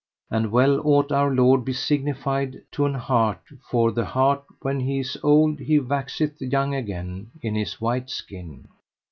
And well ought Our Lord be signified to an hart, for the hart when he is old he waxeth young again in his white skin.